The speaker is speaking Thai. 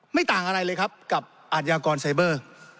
ต่างอะไรเลยครับกับอาทยากรไซเบอร์